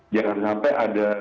jangan sampai ada